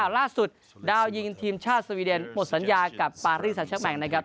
ดาวยิงทีมชาติสวีเดนหมดสัญญากับปารีซาเชอร์แมงนะครับ